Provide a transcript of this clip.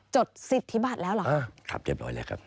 จดศิษย์ธิบัตรแล้วเหรอครับครับเรียบร้อยแล้วครับ